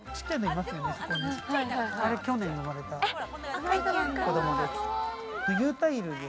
あれ去年、生まれた子供です。